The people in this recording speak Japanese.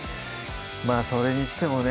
まぁそれにしてもね